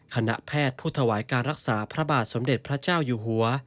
คณะแพทย์ผู้ถวายการรักษาพระบาทสมเด็จพระเจ้าอยู่หัว